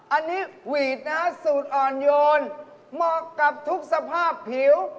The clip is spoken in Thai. อันนี้หวีดนะสูตรอ่อนโยนเหมาะกับทุกสภาพผิว